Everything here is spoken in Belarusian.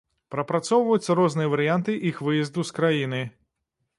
Прапрацоўваюцца розныя варыянты іх выезду з краіны.